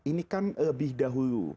ini kan lebih dahulu